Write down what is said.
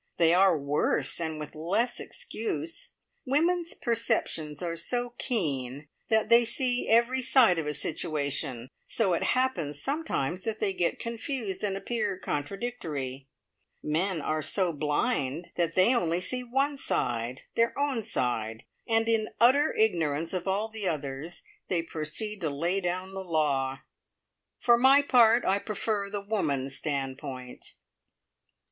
They are worse, and with less excuse. Women's perceptions are so keen that they see every side of a situation, so it happens sometimes that they get confused, and appear contradictory. Men are so blind that they only see one side their own side and in utter ignorance of all the others they proceed to lay down the law. For my part, I prefer the woman's standpoint."